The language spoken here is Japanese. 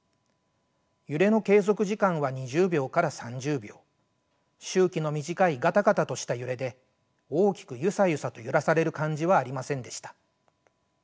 揺れの継続時間は２０秒から３０秒周期の短いガタガタとした揺れで大きくユサユサと揺らされる感じはありませんでした。